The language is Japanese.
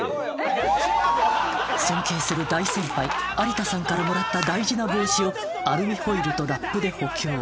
尊敬する大先輩有田さんからもらった大事な帽子をアルミホイルとラップで補強